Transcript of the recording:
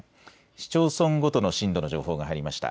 市町村ごとの震度の情報が入りました。